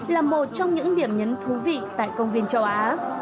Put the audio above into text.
là một trong những điểm nhấn thú vị tại công viên châu á